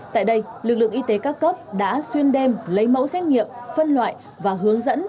tại đây lực lượng y tế các cấp đã xuyên đêm lấy mẫu xét nghiệm phân loại và hướng dẫn